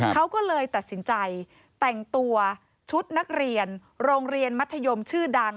เขาก็เลยตัดสินใจแต่งตัวชุดนักเรียนโรงเรียนมัธยมชื่อดัง